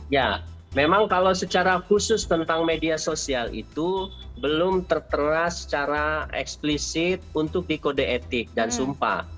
ya memang kalau secara khusus tentang media sosial itu belum tertera secara eksplisit untuk di kode etik dan sumpah